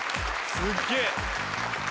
すっげえ！